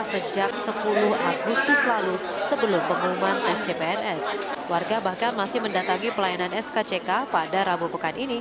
salah satunya mbak siapa mbak